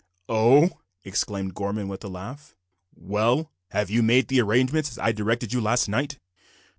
"Oho!" exclaimed Gorman, with a laugh. "Well, have you made the arrangements as I directed you last night?"